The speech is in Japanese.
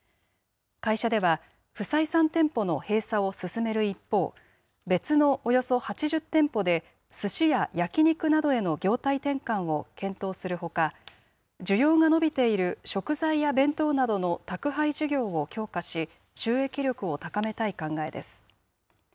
会社では、不採算店舗の閉鎖を進める一方、別のおよそ８０店舗ですしや焼き肉などへの業態転換を検討するほか、需要が伸びている食材や弁当などの宅配事業を強化し、収益力を高めたい考えです。